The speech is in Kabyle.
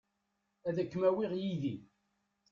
Ad kem-awiɣ yid-i.